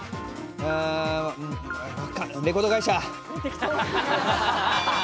レコード会社。